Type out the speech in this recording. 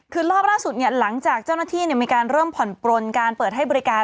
คือรอบล่าสุดหลังจากเจ้าหน้าที่มีการเริ่มผ่อนปลนการเปิดให้บริการ